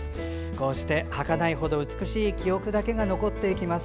こうしてはかないほど美しい記憶だけが残っていきます。